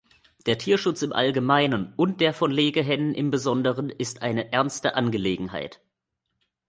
Der Tierschutz im Allgemeinen und der von Legehennen im Besonderen ist eine ernste Angelegenheit.